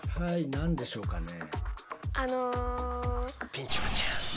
何でしょうかね。